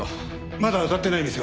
まだ当たってない店は？